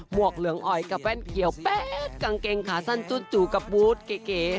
หมวกเหลืองออยกับแว่นเขียวแป๊ดกางเกงขาสั้นจุดจูดกับวูดเก๋เก๋